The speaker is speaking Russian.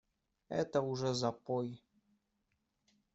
Это уже запой!